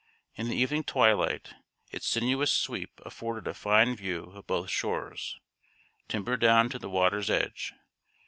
In the evening twilight, its sinuous sweep afforded a fine view of both shores, timbered down to the water's edge.